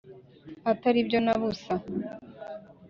Atari byo na busa